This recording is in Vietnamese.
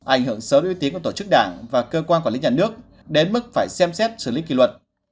ảnh hưởng sớm ưu tiến của tổ chức đảng và cơ quan quản lý nhà nước đến mức phải xem xét xử lý kỷ luật